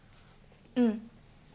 うん。